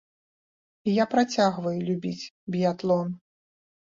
І я працягваю любіць біятлон.